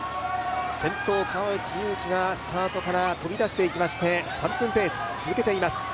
先頭、川内優輝がスタートから飛び出していきまして、３分ペース続けています。